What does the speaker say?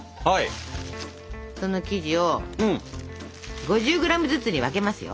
その生地を５０ｇずつに分けますよ。